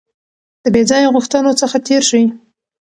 د بې ځایه غوښتنو څخه تېر شئ.